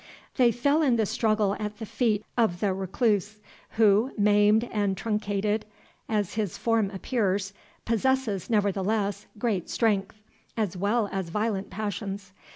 They fell in the struggle at the feet of the Recluse, who, maimed and truncated as his form appears, possesses, nevertheless, great strength, as well as violent passions.